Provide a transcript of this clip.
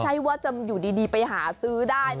ใช่ว่าจะอยู่ดีไปหาซื้อได้